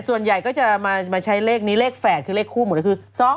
ส่วนใหญ่ก็จะมาใช้เลขนี้เลขแฝดคือเลขคู่หมู